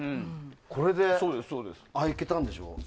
これで開けたんでしょ。